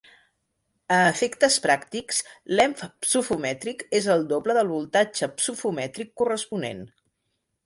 A efectes pràctics, l'emf psofomètric és el doble del voltatge psofomètric corresponent.